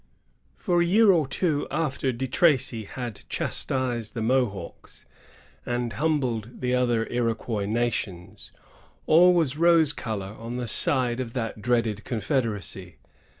Fob a year or two after De Tracy had chastised the Mohawks, and humUed the other Iroquois na tions, all was rose color on the side of that dreaded confederacy.